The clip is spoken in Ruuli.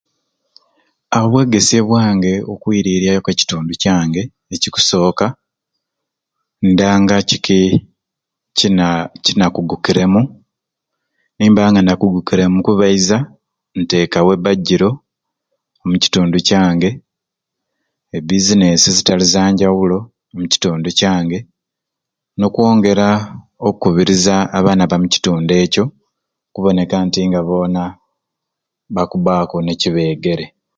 A obwegesye bwange okwiriirya ku e mukitundu kyange ekikusooka ndanga kiki kinaa kinakugukiremu nimba nga nakugukire mu kubaiza nteekawo ebbajjiro omukitundu kyange e bizinesi ezitalu zanjawulo omukitundu kyange nokwongera okukubiriza abaana ba mukitundu ekyo okuboneka nti boona bakubbaaku ni kibeegere